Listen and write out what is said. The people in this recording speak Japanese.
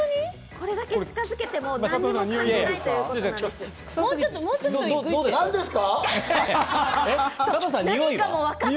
これだけ近づけても感じないということです。